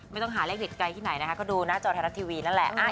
ไม่ต้องหาเลขเด็ดไกลที่ไหนนะคะก็ดูหน้าจอไทยรัฐทีวีนั่นแหละ